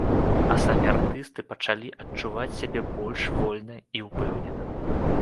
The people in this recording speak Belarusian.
А самі артысты пачалі адчуваць сябе больш вольна і ўпэўнена.